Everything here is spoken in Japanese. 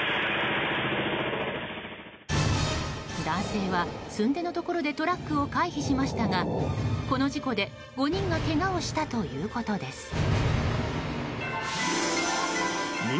男性は、すんでのところでトラックを回避しましたがこの事故で５人がけがをしたということです。